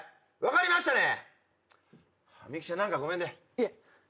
いえ。